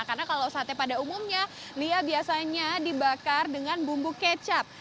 karena kalau sate pada umumnya lia biasanya dibakar dengan bumbu kecap